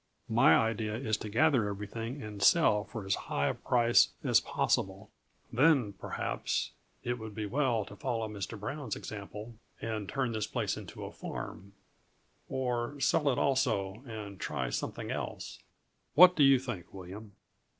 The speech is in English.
"My idea is to gather everything and sell for as high a price as possible. Then perhaps it would be well to follow Mr. Brown's example, and turn this place into a farm; or sell it, also, and try something else. What do you think, William?"